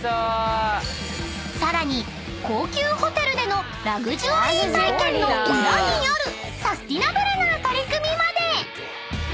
［さらに高級ホテルでのラグジュアリー体験の裏にあるサスティナブルな取り組みまで］